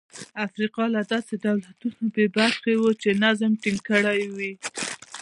افریقا له داسې دولتونو بې برخې وه چې نظم ټینګ کړي وای.